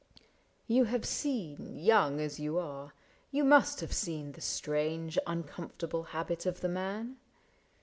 You have seen — Young as you are, you must have seen the strange Uncomfortable habit of the man